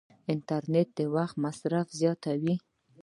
انټرنیټ د وخت مصرف زیاتوي.